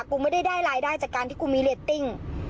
กูไม่ได้ได้รายได้จากการที่กูมีเรตติ้ง